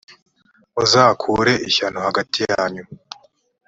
muzakure ishyano hagati yanyu!